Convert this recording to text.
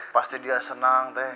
pasti dia senang teh